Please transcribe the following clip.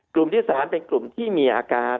กลุ่มที่๓เป็นกลุ่มที่มีอาการ